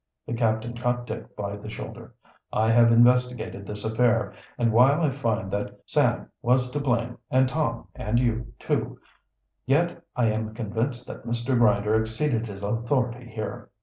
The captain caught Dick by the shoulder. "I have investigated this affair, and while I find that Sam was to blame, and Tom and you, too, yet I am convinced that Mr. Grinder exceeded his authority here.